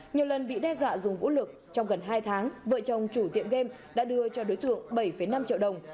nhiều lần bị đe dọa dùng vũ lực trong gần hai tháng vợ chồng chủ tiệm game đã đưa cho đối tượng bảy năm triệu đồng